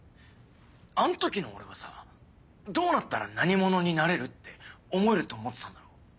あん時の俺はさどうなったら「何者になれる」って思えるって思ってたんだろう？